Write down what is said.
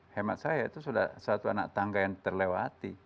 hemat saya itu sudah satu anak tangga yang terlewati